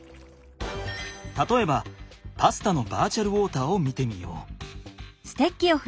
たとえばパスタのバーチャルウォーターを見てみよう。